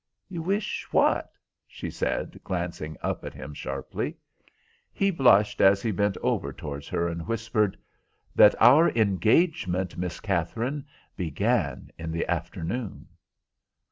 "You wish what?" she said, glancing up at him sharply. He blushed as he bent over towards her and whispered, "That our engagement, Miss Katherine, began in the afternoon."